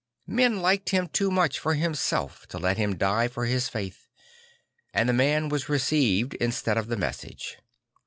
Men liked him too much for himself to let him die for his faith; and the man was received instead of the message.